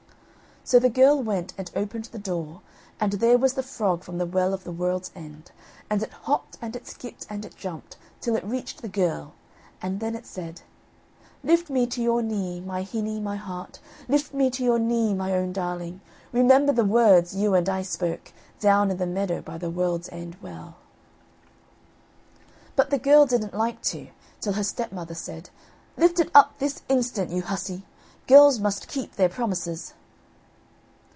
So the girl went and opened the door, and there was the frog from the Well of the World's End. And it hopped, and it skipped, and it jumped, till it reached the girl, and then it said: "Lift me to your knee, my hinny, my heart; Lift me to your knee, my own darling; Remember the words you and I spoke, Down in the meadow by the World's End Well." But the girl didn't like to, till her stepmother said "Lift it up this instant, you hussy! Girls must keep their promises!"